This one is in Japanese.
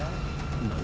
何？